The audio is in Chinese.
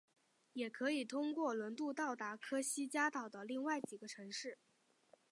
也可以通过轮渡到达科西嘉岛的另外几个城市。